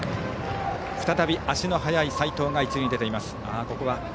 再び足の速い齋藤が一塁に出ています。